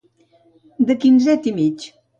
De quinzet i mig.